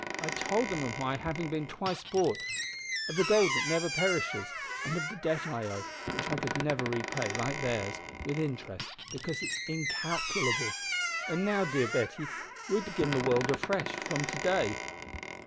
I told them of my having been twice bought; of the gold that never perishes; and of the debt I owe, which I could never repay, like theirs, with interest, because it is incalculable. And now, dear Betty, we begin the world afresh from to day."